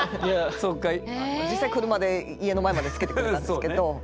実際車で家の前までつけてくれたんですけど。